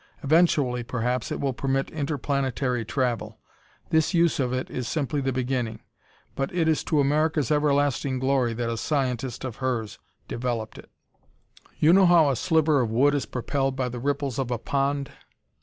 Eventually, perhaps, it will permit interplanetary travel. This use of it is simply the beginning. But it is to America's everlasting glory that a scientist of hers developed it. "You know how a sliver of wood is propelled by the ripples of a pond?